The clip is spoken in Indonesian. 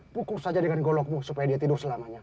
pukul saja dengan golokmu supaya dia tidur selamanya